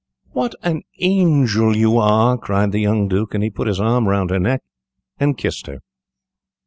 "What an angel you are!" cried the young Duke, and he put his arm round her neck, and kissed her.